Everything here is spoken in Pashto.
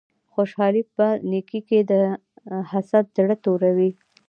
خوشحالی په نیکې کی ده حسد زړه توروی